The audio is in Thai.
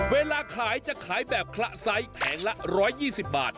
เวลาขายจะขายแบบคละไซส์แผงละ๑๒๐บาท